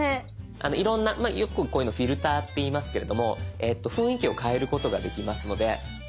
いろんなよくこういうのを「フィルター」っていいますけれども雰囲気を変えることができますので。